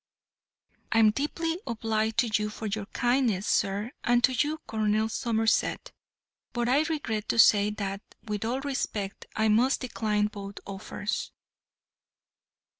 "I am deeply obliged to you for your kindness, sir, and to you, Colonel Somerset; but I regret to say that, with all respect, I must decline both offers."